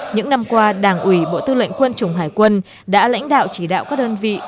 những năm qua đảng ủy bộ tư lệnh quân chủng hải quân đã lãnh đạo chỉ đạo các đơn vị